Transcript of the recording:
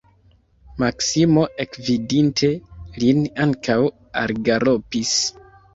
Maksimo, ekvidinte lin, ankaŭ algalopis.